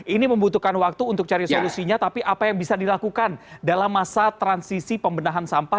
ini membutuhkan waktu untuk cari solusinya tapi apa yang bisa dilakukan dalam masa transisi pembenahan sampah